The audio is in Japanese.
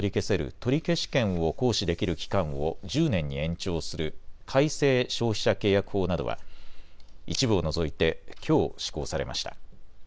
取消権を行使できる期間を１０年に延長する改正消費者契約法などは一部を除いてきょう施行されました。